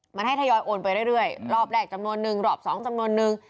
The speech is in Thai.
มันให้ทยอยโอนไปเรื่อยรอบแรกจำนวนนึงรอบสองจำนวนนึง